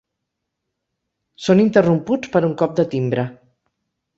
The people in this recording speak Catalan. Són interromputs per un cop de timbre.